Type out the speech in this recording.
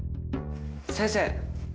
先生。